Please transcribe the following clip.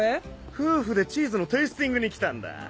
夫婦でチーズのテイスティングに来たんだ。